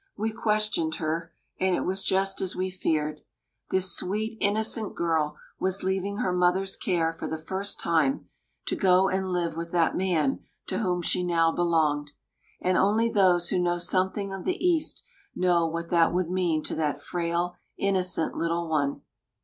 We questioned her, and it was just as we feared. This sweet, innocent girl was leaving her mother's care for the first time, to go and live with that man to whom she now belonged. And only those who know something of the East know what that would mean to that frail, innocent little one.